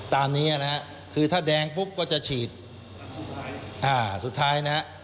ตามนี้นะฮะคือถ้าแดงปุ๊บก็จะฉีดอ่าสุดท้ายนะฮะ